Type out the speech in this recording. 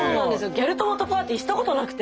ギャル友とパーティーしたことなくて。